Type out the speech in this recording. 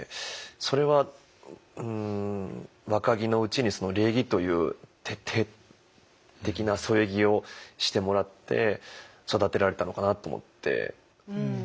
それは若木のうちに礼儀という徹底的な添え木をしてもらって育てられたのかなと思って。